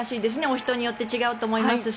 人によって違うと思いますし。